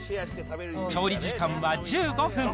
調理時間は１５分。